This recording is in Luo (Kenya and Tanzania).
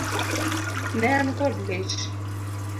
Ne an kod lit.